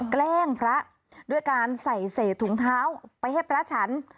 แกล้งพระด้วยการใส่เศษถุงเท้าไปให้พระฉัน